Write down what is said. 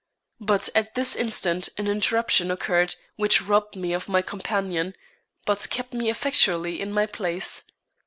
But at this instant an interruption occurred which robbed me of my companion, but kept me effectually in my place.